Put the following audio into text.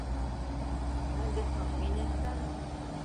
Ben de tahmin etmem…